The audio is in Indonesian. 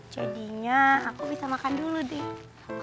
jadinya aku bisa makan dulu deh